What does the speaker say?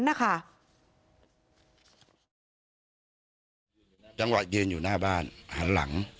จังหวะยืนอยู่หน้าบ้านหันหลัง